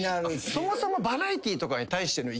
そもそも。